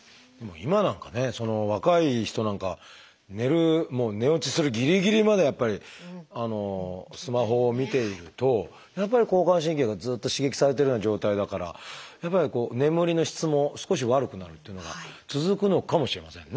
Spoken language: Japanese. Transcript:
今なんかね若い人なんかは寝る寝落ちするぎりぎりまでやっぱりスマホを見ているとやっぱり交感神経がずっと刺激されてるような状態だからやっぱりこう眠りの質も少し悪くなるっていうのが続くのかもしれませんね。